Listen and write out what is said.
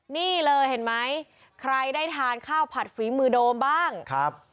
นี่เลยเห็นไหมใครได้ทานข้าวผัดฝีมือโดมบ้างครับ